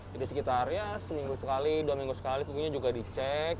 jadi sekitarnya seminggu sekali dua minggu sekali kukunya juga dicek